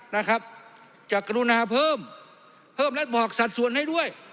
นะครับจะกรุณาเพิ่มเพิ่มและบอกสัดส่วนให้ด้วย